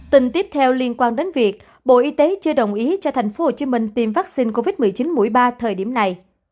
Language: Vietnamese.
tin tiếp theo liên quan đến việc bộ y tế chưa đồng ý cho tp hcm tiêm vaccine covid một mươi chín mũi ba thời điểm này